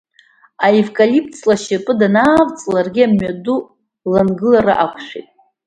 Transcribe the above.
Аевкалипт ҵла ашьапы данаавҵ ларгьы амҩаду лангылара ақәшәеит.